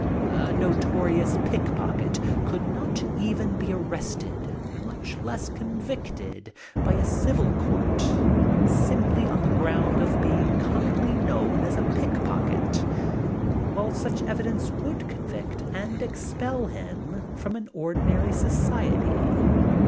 A notorious pickpocket could not even be arrested, much less convicted, by a civil court, simply on the ground of being commonly known as a pickpocket; while such evidence would convict and expel him from any ordinary society.